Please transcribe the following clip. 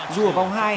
dù ở vòng hai